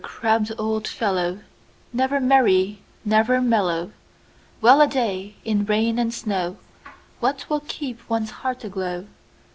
crabbed old fellow, Never merry, never mellow! Well a day! in rain and snowWhat will keep one's heart aglow?